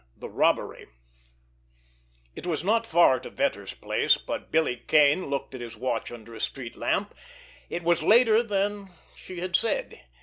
XIV—THE ROBBERY It was not far to Vetter's place, but—Billy Kane looked at his watch under a street lamp—it was later than she had said.